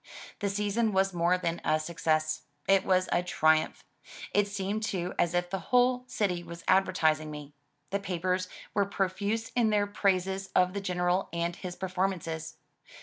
The season was more than a success; it was a triumph. It seemed too as if the whole city was advertising me. The papers were profuse in their praises of the General and his performances.